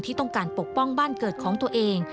ที่ต้องการปกป้องบ้านเกิดของตัวเอง